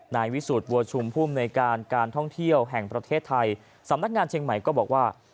วิสูจน์บัวชุมภูมิในการการท่องเที่ยวแห่งประเทศไทยสำนักงานเชียงใหม่ก็บอกว่า